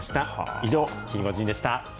以上、キンゴジンでした。